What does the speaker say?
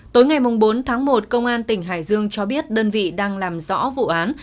tối ngày bốn tháng một công an tỉnh hải dương cho biết đơn vị đang làm rõ vụ án